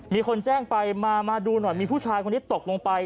มีคนแจ้งไปมาดูหน่อยมีผู้ชายคนนี้ตกลงไป